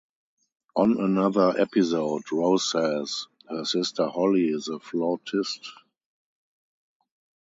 On another episode, Rose says her sister Holly is a flautist.